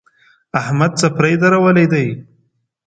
احمد څپری درولی دی.